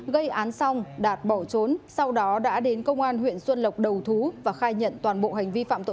gây án xong đạt bỏ trốn sau đó đã đến công an huyện xuân lộc đầu thú và khai nhận toàn bộ hành vi phạm tội